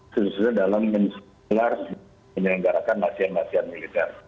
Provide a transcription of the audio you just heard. secara dalam menjelanggarakan nasional nasional militer